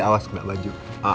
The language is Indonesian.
awas kena baju